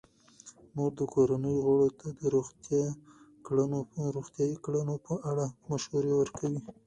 مور د کورنۍ غړو ته د روغتیايي کړنو په اړه مشوره ورکوي.